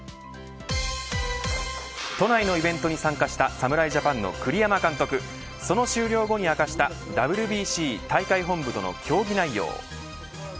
都内のイベントに参加した侍ジャパンの栗山監督その終了後に明かしたＷＢＣ大会本部との協議内容。